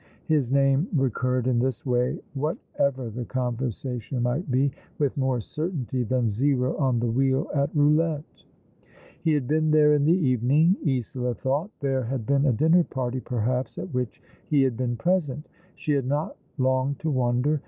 His name recurred in this way, whatever the conversation might be, with more certainty than Zero on the wheel at roulette. He had been there in the evening, Isola thought. There had been a dinner party, perhaps, at which he had been present. She had not long to wonder.